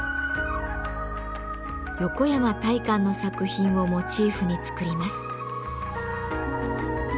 横山大観の作品をモチーフに作ります。